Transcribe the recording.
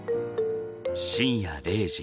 深夜０時。